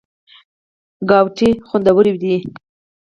ګاوتې خوندورې دي.